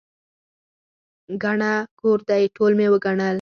ګڼه کور دی، ټول مې وګڼل.